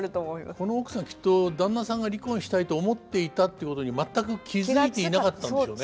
この奥さんきっと旦那さんが離婚したいと思っていたっていうことに全く気付いていなかったんでしょうね。